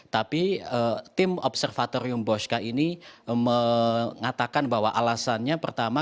tapi tim observatorium bosca ini mengatakan bahwa alasannya pertama